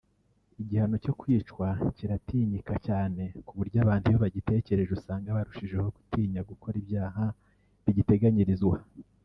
Igihano cyo kwicwa kiratinyika cyane ku buryo abantu iyo bagitekereje usanga barushijeho gutinya gukora ibyaha bigiteganyirizwa